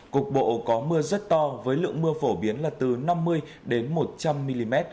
cục bộ có mưa rất to với lượng mưa phổ biến là từ năm mươi một trăm linh mm